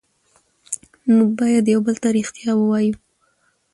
موږ باید یو بل ته ریښتیا ووایو